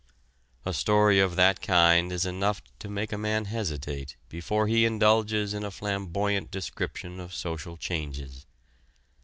A story of that kind is enough to make a man hesitate before he indulges in a flamboyant description of social changes.